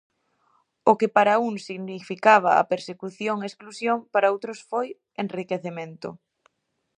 O que para uns significaba persecución e exclusión, para outros foi enriquecemento.